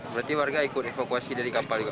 berarti warga ikut evakuasi dari kampan juga